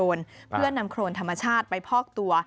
เป็นลงบอกโครนเพื่อนนำโครนธรรมชาติไปพอกตัว